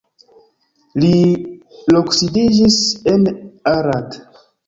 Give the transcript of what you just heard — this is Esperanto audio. Li loksidiĝis en Arad.